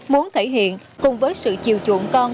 muốn thể hiện cùng với sự chiều chuộng con